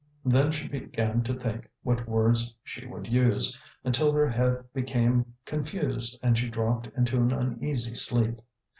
Then she began to think what words she would use, until her head became confused and she dropped into an uneasy sleep.